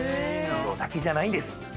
色だけじゃないんです。